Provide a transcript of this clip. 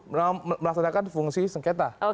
bawasluh melaksanakan fungsi sengketa